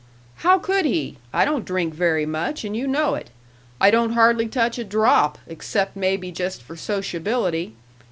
"How could he? I don't drink very much, and you know it. I don't hardly touch a drop, except maybe just for sociability.